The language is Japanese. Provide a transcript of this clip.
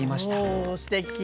おおすてき。